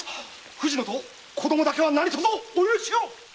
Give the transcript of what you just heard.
藤乃と子供だけは何とぞお許しを。